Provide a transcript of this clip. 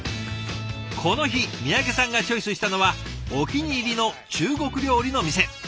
この日三宅さんがチョイスしたのはお気に入りの中国料理の店。